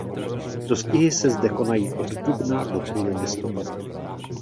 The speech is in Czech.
Dostihy se zde konají od dubna do půli listopadu.